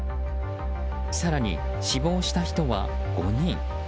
更に死亡した人は５人。